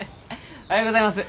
おはようございます。